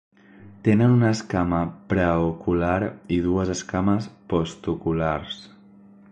Tenen una escama preocular i dues escames postoculars.